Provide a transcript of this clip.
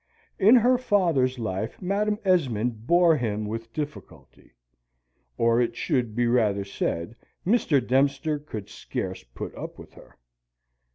In her father's life Madam Esmond bore him with difficulty, or it should be rather said Mr. Dempster could scarce put up with her.